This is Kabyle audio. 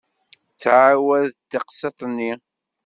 Tettɛawad-d teqsiṭ-nni.